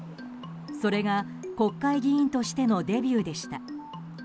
それが国会議員としてのデビューでした。